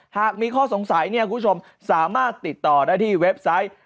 หากมีข้อสงสัยเนี่ยคุณผู้ชมสามารถติดต่อได้ที่เว็บไซต์